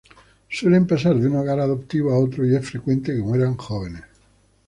Suelen pasar de un hogar adoptivo a otro y es frecuente que mueran jóvenes.